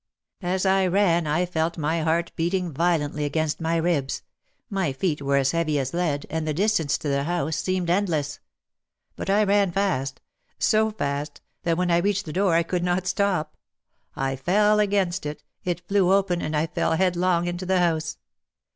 As I ran I felt my heart beating violently against my ribs ; my feet were as heavy as lead and the distance to the house seemed endless. But I ran fast; so fast, that when I reached the door I could not stop. I fell against it, it flew open and I fell headlong into the house.